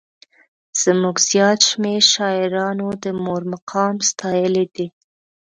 زموږ زیات شمېر شاعرانو د مور مقام ستایلی دی.